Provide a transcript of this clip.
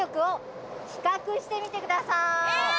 えっ。